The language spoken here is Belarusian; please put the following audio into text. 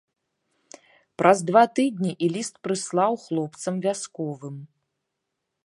Праз два тыдні і ліст прыслаў хлопцам вясковым.